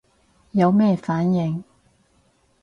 有咩反應